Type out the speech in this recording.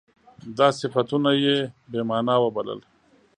دا صفتونه یې بې معنا وبلل.